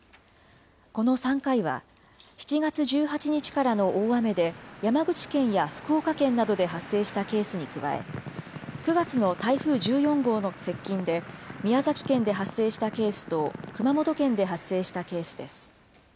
この３回は、７月１８日からの大雨で、山口県や福岡県などで発生したケースに加え、９月の台風１４号の接近で宮崎県で発生したケースと熊本県で発生したケースです。